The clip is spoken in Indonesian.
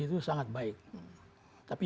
itu sangat baik tapi